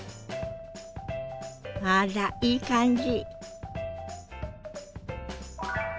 あらいい感じ。